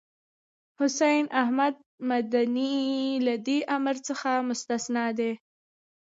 حسين احمد مدني له دې امر څخه مستثنی دی.